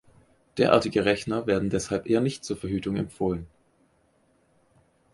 Derartige Rechner werden deshalb eher nicht zur Verhütung empfohlen.